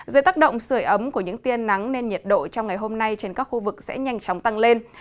dưới tác động sửa ấm của những tiên nắng nên nhiệt độ trong ngày hôm nay trên các khu vực sẽ nhanh chóng tăng lên